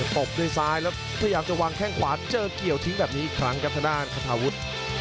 บด้วยซ้ายแล้วพยายามจะวางแข้งขวาเจอเกี่ยวทิ้งแบบนี้อีกครั้งครับทางด้านคาทาวุฒิ